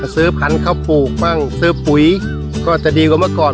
ซื้อพันธุ์ข้าวปลูกบ้างซื้อปุ๋ยก็จะดีกว่าเมื่อก่อน